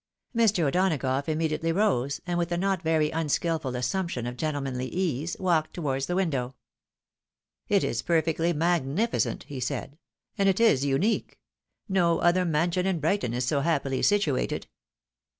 Mr. O'Donagough inmiediately rose, and with a not very unskilful assumption of gentlemanly ease, walked towards the window. " It is perfectly magnificent !" he said, " and it is unique. No other mansion in Brighton is so happily situated."